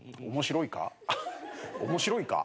面白いか？